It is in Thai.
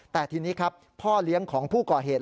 แต่ทีนี้ครับพ่อเลี้ยงของผู้ก่อเหตุ